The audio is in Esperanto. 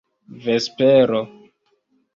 vespero